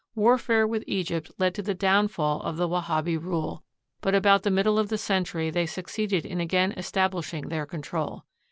Warfare with Egypt led to the downfall of the Wahhabi rule; but about the middle of the century they succeeded in again estabhshing their control.